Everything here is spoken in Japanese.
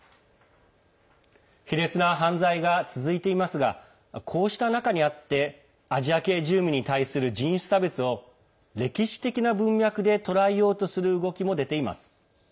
卑劣な犯罪が続いていますがこうした中にあってアジア系住民に対する人種差別を歴史的な文脈で捉えようとする動きも出ています。